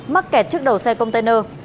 mắc kẹt trước đầu xe container